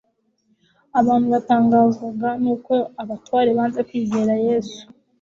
Abantu batangazwaga nuko abatware banze kwizera Yesu,